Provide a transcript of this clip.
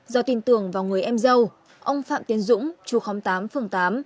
do tin tưởng vào người em dâu ông phạm tiến dũng chú khóm tám phường tám